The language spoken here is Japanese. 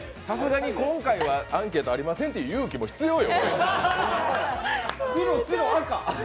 さすがに今回はアンケートありませんって言う勇気も必要よ。